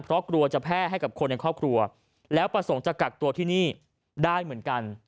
เพราะกลัวจะแพร่ให้กับคนในครอบครัวแล้วประสงค์จะกักตัวที่นี่ได้เหมือนกัน